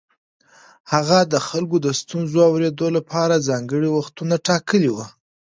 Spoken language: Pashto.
هغه د خلکو د ستونزو اورېدو لپاره ځانګړي وختونه ټاکلي وو.